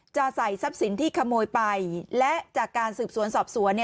จะใส่ทรัพย์สินที่ขโมยไปและจากการสืบสวนสอบสวน